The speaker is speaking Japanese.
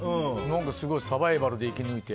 すごいサバイバルで生き抜いて。